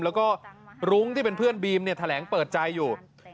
แล้วก็รุ้งที่เป็นเพื่อนบีมเนี่ยแถลงเปิดใจอยู่